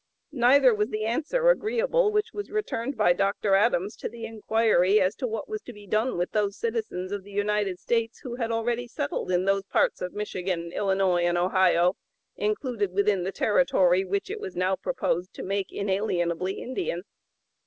Neither was the answer agreeable, which was returned by Dr. Adams to the inquiry as to what was to be done with those citizens of the United States who had already settled in those parts of Michigan, Illinois, and Ohio, included within the territory which it was now proposed to make inalienably Indian.